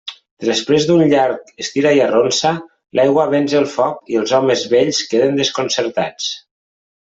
Després d'un llarg estira-i-arronsa, l'aigua venç el foc i els homes vells queden desconcertats.